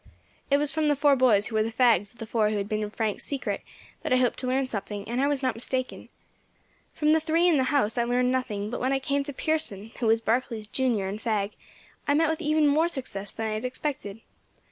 "It was from the four boys who were the fags of the four who had been in Frank's secret that I hoped to learn something, and I was not mistaken. From the three in the house I learned nothing; but when I came to Pearson, who was Barkley's junior and fag, I met with even more success than I had expected.